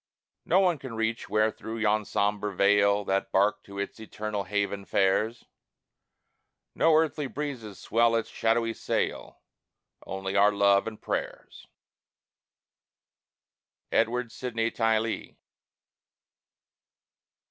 No eye can reach where through yon sombre veil That bark to its eternal haven fares; No earthly breezes swell its shadowy sail: Only our love and prayers. EDWARD SYDNEY TYLEE.